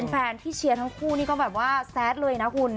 แฟนที่เชียร์ทั้งคู่นี่ก็แบบว่าแซดเลยนะคุณ